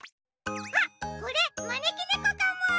あっこれまねきねこかも！